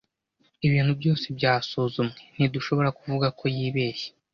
ibintu byose byasuzumwe, ntidushobora kuvuga ko yibeshye